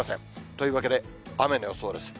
というわけで、雨の予想です。